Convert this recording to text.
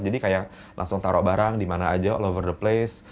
jadi kayak langsung taruh barang di mana aja all over the place